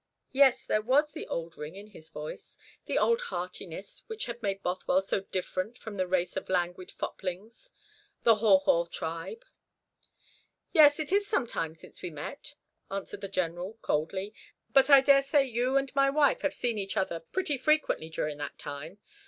Yes, there was the old ring in his voice, the old heartiness which had made Bothwell so different from the race of languid foplings the haw haw tribe. "Yes, it is some time since we met," answered the General coldly; "but I daresay you and my wife have seen each other pretty frequently during that time.